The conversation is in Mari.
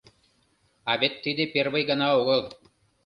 А вет тиде первый гана огыл.